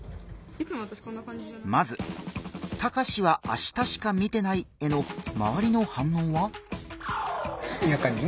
まず「タカシは明日しか見てない」へのまわりの反応は？